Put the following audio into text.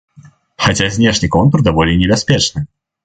Хаця знешні контур даволі небяспечны.